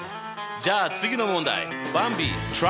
じゃあ次の問題ばんび！